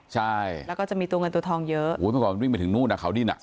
แล้วก็จะมีเงินตัวทองเยอะมันข่านมาถึงนู้นเข่าดิน